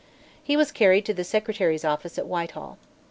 He was carried to the Secretary's office at Whitehall.